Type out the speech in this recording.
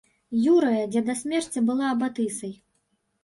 Юрыя, дзе да смерці была абатысай.